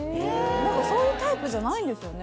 そういうタイプじゃないんですよね